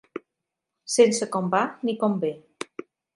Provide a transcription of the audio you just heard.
Sense com va ni com ve.